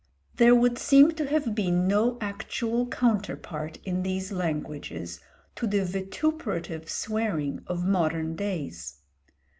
There would seem to have been no actual counterpart in these languages to the vituperative swearing of modern days.